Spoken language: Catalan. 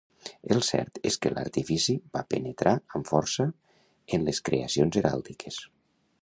El cert és que l'artifici va penetrar amb força en les creacions heràldiques.